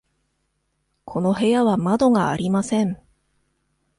この部屋は窓がありません。